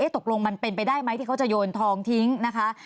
ตกลงมันเป็นไปได้ไหมที่เขาจะโยนทองทิ้งนะคะ